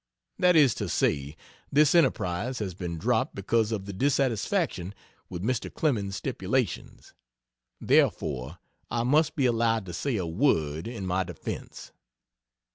That is to say, this enterprise has been dropped because of the "dissatisfaction with Mr. Clemens's stipulations." Therefore I must be allowed to say a word in my defense.